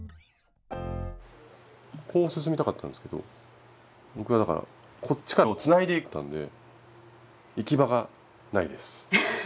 こう進みたかったんですけど僕はだからこっちからつないでいったんで行き場がないです。